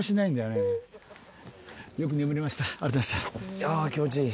いや気持ちいい。